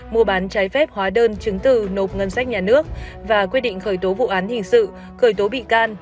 mua bán trái phép hóa đơn chứng từ nộp ngân sách nhà nước và quyết định khởi tố vụ án hình sự khởi tố bị can